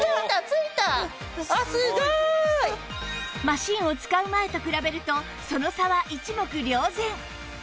マシンを使う前と比べるとその差は一目瞭然